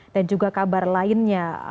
dan juga kabar lainnya